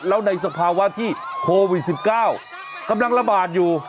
แล้วในสภาวะที่โควิด๑๙กำลังระบาดอยู่